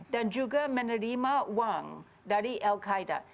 dan juga menerima uang dari al qaeda